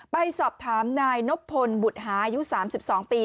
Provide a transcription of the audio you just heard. ไปสอบถามนายนบพลบุตรหาอายุ๓๒ปี